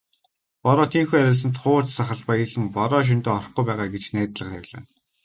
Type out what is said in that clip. Бороо тийнхүү арилсанд хууз сахалт баярлан "Бороо шөнөдөө орохгүй байгаа" гэж найдлага тавилаа.